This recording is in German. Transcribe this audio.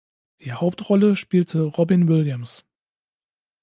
Die Hauptrolle spielte Robin Williams.